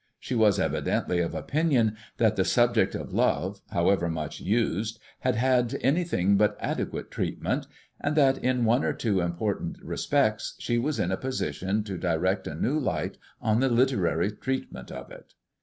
She was evidently of opinion that the subject of love, however much used, had had anything but adequate treatment, and that in one or two important respects she was in a position to direct a new light on the literary treatment of it.